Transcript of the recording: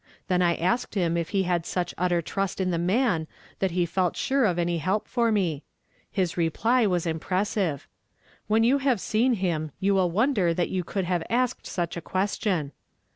Then I asked him if he had such utter trust in the man that he felt sure of any help for me. His reply was impres sive. 'When you have seen him, you will won der that you could have asked such a question.'